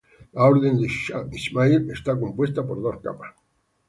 La orden Shah Ismail está compuesta por dos capas.